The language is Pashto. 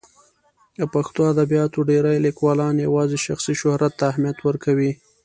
د پښتو ادبیاتو ډېری لیکوالان یوازې شخصي شهرت ته اهمیت ورکوي.